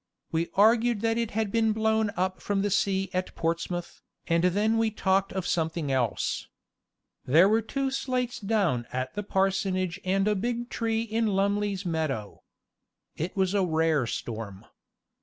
We argued that it had been blown up from the sea at Portsmouth, and then we talked of something else. There were two slates down at the parsonage and a big tree in Lumley's meadow. It was a rare storm.